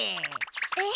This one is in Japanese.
えっ？